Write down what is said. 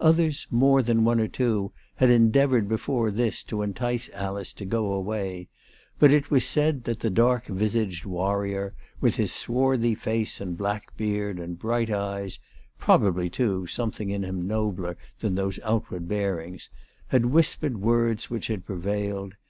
Others, more than one or two, had endea voured before this to entice Alice to "go away," but it was said that the dark visaged warrior, with his swarthy face and black beard, and bright eyes, pro bably, too, something in him nobler than those outward bearings, had whispered words which had prevailed.